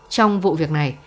trong vụ việc này